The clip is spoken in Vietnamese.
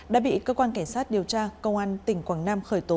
đã bị cơ quan cảnh sát điều tra công an tỉnh quảng nam khởi tố